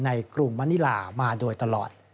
กรุงมณิลามาโดยตลอด